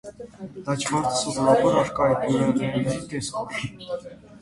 Լաջվարդը սովորաբար առկա է բյուրեղների տեսքով։